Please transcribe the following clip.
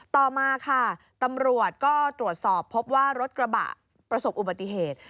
ต่อมาค่ะตำรวจก็ตรวจสอบพบว่ารถกระบะประสบอุบัติเหตุ